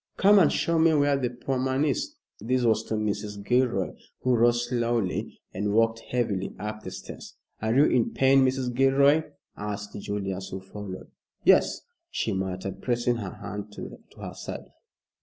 "Come and show me where the poor man is." This was to Mrs. Gilroy, who rose slowly and walked heavily up the stairs. "Are you in pain, Mrs. Gilroy?" asked Julius, who followed. "Yes," she muttered, pressing her hand to her side.